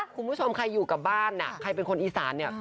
คุณผู้ชมใครอยู่กับบ้านใครเป็นคนอีสานเนี่ย